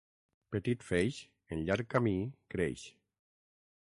Petit feix en llarg camí creix.